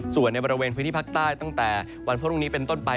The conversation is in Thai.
ส่วนในบริเวณพื้นที่ภาคใต้ตั้งแต่วันพรุ่งนี้เป็นต้นไป